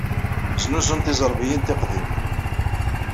Znuzun tiẓerbiyin tiqdimin.